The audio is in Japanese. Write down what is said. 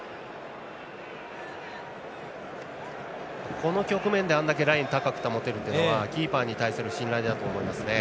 この局面であれだけラインを高く保てるというのはキーパーに対する信頼だと思います。